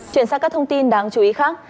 chuyển sang các thông tin đáng chú ý khác